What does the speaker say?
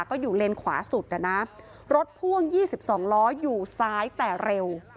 ก็อยู่เลนขวาสุดอ่ะนะรถพ่วง๒๒ล้ออยู่ซ้ายแต่เร็ว